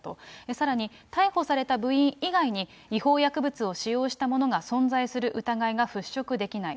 さらに逮捕された部員以外に、違法薬物を使用したものが存在する疑いが払拭できない。